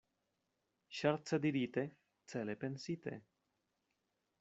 Ŝerce dirite, cele pensite.